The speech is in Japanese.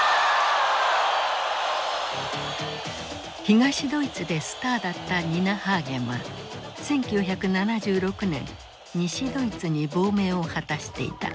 東ドイツでスターだったニナ・ハーゲンは１９７６年西ドイツに亡命を果たしていた。